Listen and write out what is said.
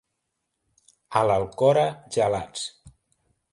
A l'Alcora, gelats.